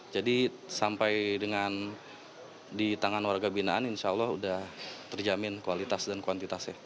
jadi sampai dengan di tangan warga binaan insya allah udah terjamin kualitas dan kuantitasnya